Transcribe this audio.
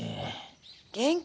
「元気？